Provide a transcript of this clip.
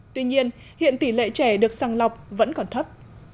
tuy nhiên hiện tỷ lệ trẻ được sàng lọc vẫn còn thấp